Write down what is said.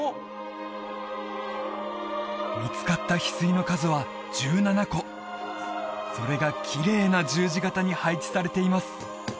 見つかった翡翠の数は１７個それがきれいな十字形に配置されています